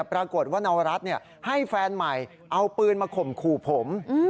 ปรากฏว่านวรัฐให้แฟนใหม่เอาปืนมาข่มขู่ผม